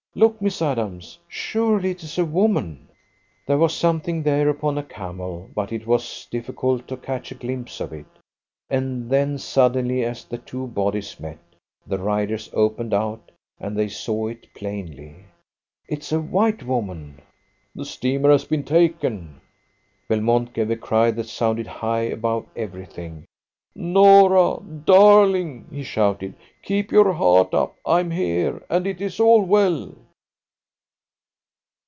"Look, Miss Adams! Surely it is a woman!" There was something there upon a camel, but it was difficult to catch a glimpse of it. And then suddenly, as the two bodies met, the riders opened out, and they saw it plainly. "It's a white woman!" "The steamer has been taken!" Belmont gave a cry that sounded high above everything. "Norah, darling," he shouted, "keep your heart up! I'm here, and it is all well!"